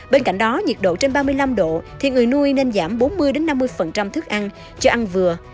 bên cạnh đó nhiệt độ trên ba mươi năm độ thì người nuôi nên giảm bốn mươi năm mươi thức ăn cho ăn vừa